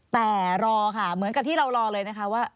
แต่รอค่ะเหมือนกับที่เรารอเลยนะคะว่า